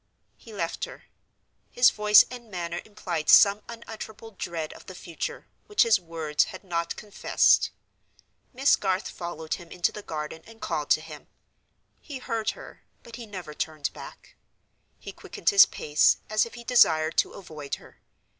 He left her. His voice and manner implied some unutterable dread of the future, which his words had not confessed. Miss Garth followed him into the garden, and called to him. He heard her, but he never turned back: he quickened his pace, as if he desired to avoid her.